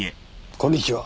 こんにちは。